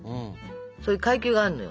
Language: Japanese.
そういう階級があるのよ。